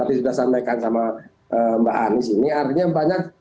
ini artinya banyak